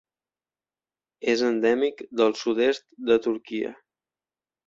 És endèmic del sud-est de Turquia.